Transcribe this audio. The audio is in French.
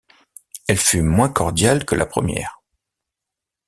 Elle fut moins cordiale que la première.